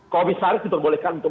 komisaris diperbolehkan untuk